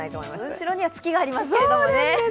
後ろには月がありますけどね。